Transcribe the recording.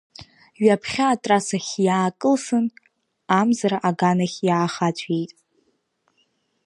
Ҩаԥхьа атрассахь иаакылсын, Амзара аганахь иаахаҵәиит.